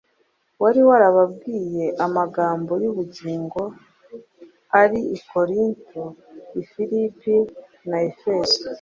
wari warababwiye amagambo y’ubugingo ari i Korinto, i Filipi na Efeso.